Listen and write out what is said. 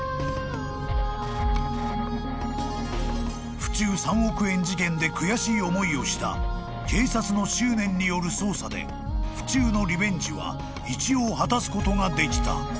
［府中３億円事件で悔しい思いをした警察の執念による捜査で府中のリベンジは一応果たすことができた］